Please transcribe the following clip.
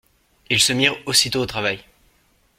Ils se mirent aussitôt au travail.